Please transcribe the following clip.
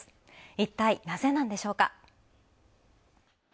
いったいなぜなんでしょうか。